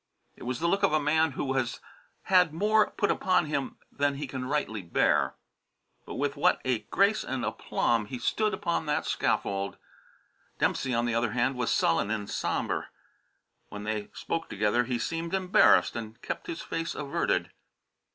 It was the look of a man who has had more put upon him than he can rightly bear. But with what a grace and aplomb he stood upon that scaffold! Dempsey, on the other hand, was sullen and sombre; when they spoke together he seemed embarrassed and kept his face averted.